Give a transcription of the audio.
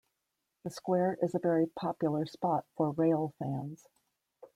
The square is a very popular spot for railfans.